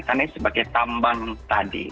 karena ini sebagai tambang tadi